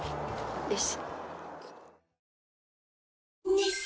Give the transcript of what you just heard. よし。